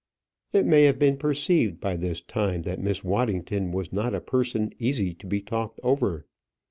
It may have been perceived by this time that Miss Waddington was not a person easy to be talked over.